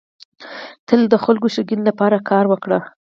تل د خلکو د ښيګڼي لپاره کار وکړه.